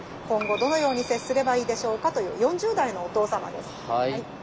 今後どのように接すればいいでしょうか」という４０代のお父様です。